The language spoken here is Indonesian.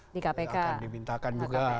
di kpk di kpn